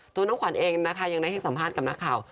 น้องขวัญเองนะคะยังได้ให้สัมภาษณ์กับนักข่าว